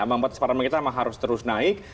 ambang batas parlemen kita memang harus terus naik